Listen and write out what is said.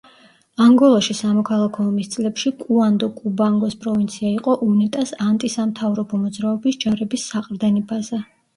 ანგოლაში სამოქალაქო ომის წლებში კუანდო-კუბანგოს პროვინცია იყო უნიტას ანტისამთავრობო მოძრაობის ჯარების საყრდენი ბაზა.